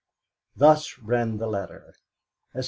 Thus ran the letter: "S.